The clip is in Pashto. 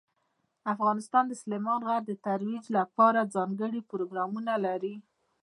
افغانستان د سلیمان غر د ترویج لپاره ځانګړي پروګرامونه لري.